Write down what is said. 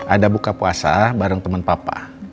ada buka puasa bareng teman papa